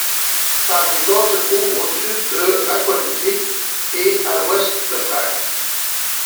Pavlíkov se trouve à au sud de Rakovník et à à l'ouest de Prague.